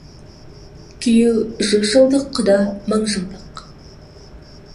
Күйеу — жүз жылдық, құда — мың жылдық.